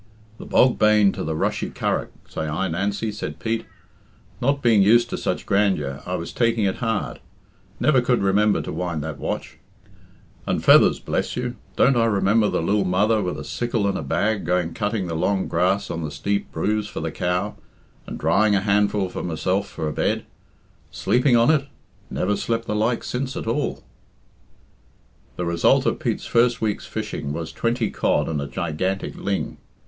"The bog bane to the rushy curragh, say I, Nancy," said Pete. "Not being used of such grandeur, I was taking it hard. Never could remember to wind that watch. And feathers, bless you! Don't I remember the lil mother, with a sickle and a bag, going cutting the long grass on the steep brews for the cow, and drying a handful for myself for a bed. Sleeping on it? Never slept the like since at all." The result of Pete's first week's fishing was twenty cod and a gigantic ling.